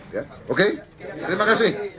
ya oke terima kasih